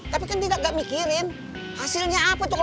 tapi kan dia nggak mikirin hasilnya apa chandra